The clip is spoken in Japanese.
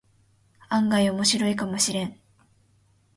案外オモシロイかもしれん